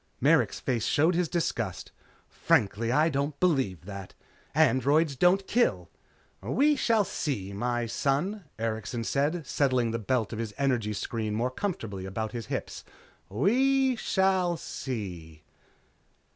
Merrick's face showed his disgust. "Frankly, I don't believe that. Androids don't kill." "We shall see, my son," Erikson said settling the belt of his energy screen more comfortably about his hips. "We shall see."